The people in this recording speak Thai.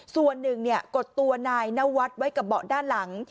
ส่วนหนึ่งกดตัวนายนวัดไว้กับเบาะด้านหลัง